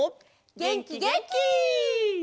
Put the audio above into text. げんきげんき！